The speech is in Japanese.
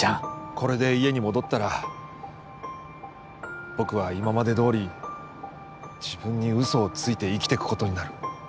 これで家に戻ったら僕は今までどおり自分に嘘をついて生きてくことになる